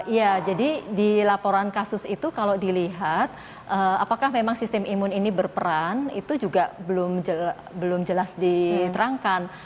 iya jadi di laporan kasus itu kalau dilihat apakah memang sistem imun ini berperan itu juga belum jelas diterangkan